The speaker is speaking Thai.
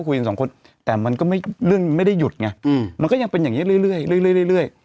คุยกันสองคนแต่มันก็ไม่เรื่องไม่ได้หยุดไงมันก็ยังเป็นอย่างนี้เรื่อย